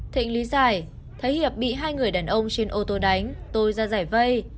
thịnh lý giải thấy hiệp bị hai người đàn ông trên ô tô đánh tôi ra giải vây